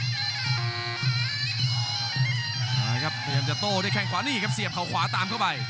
มาครับเตรียมจะโต้ด้วยแข้งขวานี่ครับเสียบเขาขวาตามเข้าไป